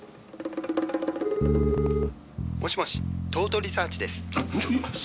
「もしもし東都リサーチです」